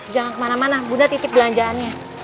jangan kemana mana bunda titip belanjaannya